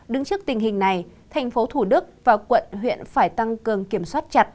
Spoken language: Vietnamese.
đứng trước tình hình này thành phố thủ đức và quận huyện phải tăng cường kiểm soát chặt